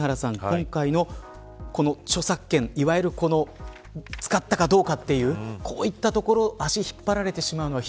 今回の著作権いわゆる使ったかどうかというこういったところ足を引っ張られてしまうのは